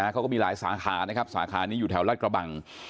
เขาก็มีหลายสาขานะครับสาขานี้อยู่แถวรัฐกระบัง